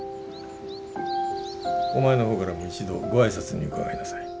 お前の方からも一度ご挨拶に伺いなさい。